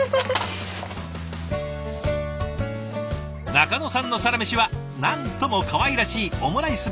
仲野さんのサラメシはなんともかわいらしいオムライス弁当。